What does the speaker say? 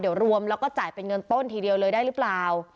เดี๋ยวรวมแล้วก็จ่ายเป็นเงินต้นทีเดียวเลยได้หรือเปล่า